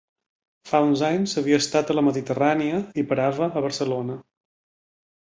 Fa uns anys havia estat a la Mediterrània i parava a Barcelona.